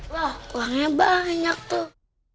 wah uangnya banyak tuh